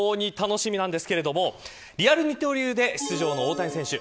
非常に楽しみですがリアル二刀流で出場の大谷選手